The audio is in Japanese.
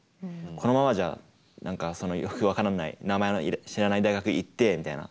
このままじゃ何かよく分からない名前の知らない大学行ってみたいな。